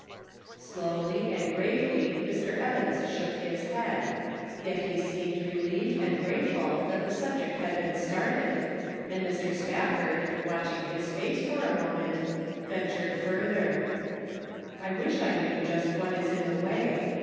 Slowly and gravely Mr. Evans shook his head ; yet he seemed relieved and grateful that the subject had been started, and Mr. Spafford, watching his face for a moment, ventured further :" I wish I knew just what is in the way.